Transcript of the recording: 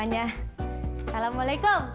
ya kan mas